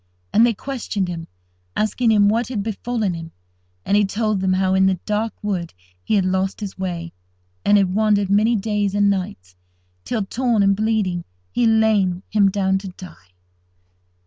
And they questioned him, asking him what had befallen him: and he told them how in the dark wood he had lost his way, and had wandered many days and nights, till, torn and bleeding, he had lain him down to die.